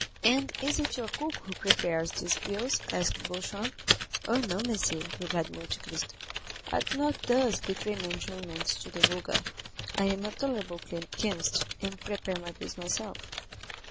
"And is it your cook who prepares these pills?" asked Beauchamp. "Oh, no, monsieur," replied Monte Cristo; "I do not thus betray my enjoyments to the vulgar. I am a tolerable chemist, and prepare my pills myself."